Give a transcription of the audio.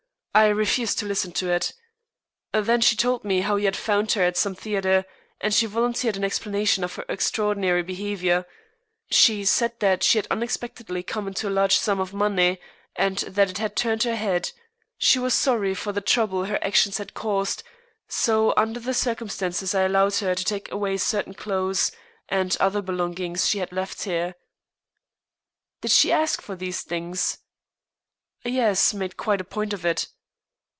I refused to listen to it. Then she told me how you had found her at some theatre, and she volunteered an explanation of her extraordinary behavior. She said that she had unexpectedly come into a large sum of money, and that it had turned her head. She was sorry for the trouble her actions had caused, so, under the circumstances, I allowed her to take away certain clothes and other belongings she had left here." "Did she ask for these things?" "Yes. Made quite a point of it."